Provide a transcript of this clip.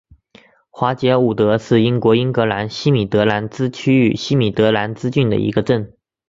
华捷伍德是英国英格兰西米德兰兹区域西米德兰兹郡的一个镇。